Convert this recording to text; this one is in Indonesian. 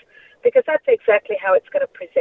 karena itu benar benar bagaimana akan terjadi